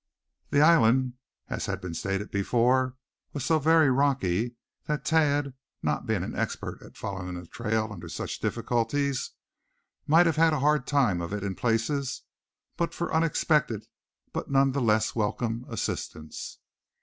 The island, as has been stated before, was so very rocky that Thad, not being an expert at following a trail under such difficulties, might have had a hard time of it in places, but for unexpected, but none the less welcome, assistance.